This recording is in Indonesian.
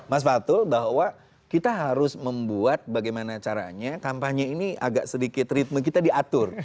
mas fatul bahwa kita harus membuat bagaimana caranya kampanye ini agak sedikit ritme kita diatur